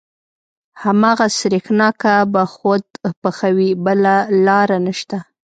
هماغه سرېښناکه به خود پخوې بله لاره نشته.